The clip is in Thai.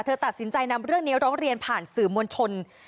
ตัดสินใจนำเรื่องนี้ร้องเรียนผ่านสื่อมวลชน